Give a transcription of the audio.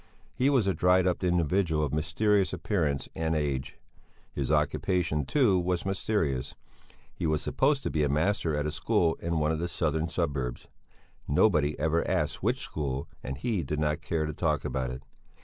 He was a dried up individual of mysterious appearance and age. His occupation, too, was mysterious; he was supposed to be a master at a school in one of the southern suburbs nobody ever asked which school and he did not care to talk about it.